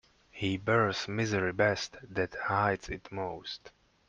He bears misery best that hides it most.